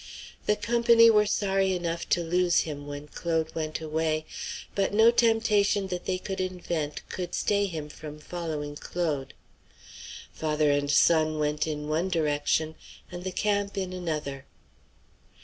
The company were sorry enough to lose him when Claude went away; but no temptation that they could invent could stay him from following Claude. Father and son went in one direction, and the camp in another.